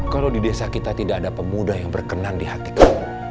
kalau di desa kita tidak ada pemuda yang berkenan di hati kamu